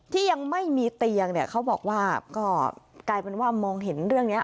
ที่ยังไม่มีเตียงเนี่ยเขาบอกว่าก็กลายเป็นว่ามองเห็นเรื่องนี้